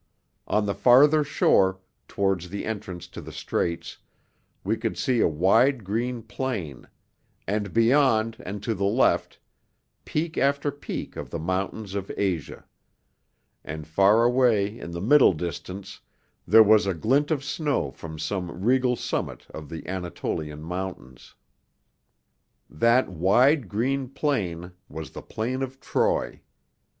On the farther shore, towards the entrance to the Straits, we could see a wide green plain, and beyond and to the left, peak after peak of the mountains of Asia; and far away in the middle distance there was a glint of snow from some regal summit of the Anatolian Mountains. That wide green plain was the Plain of Troy.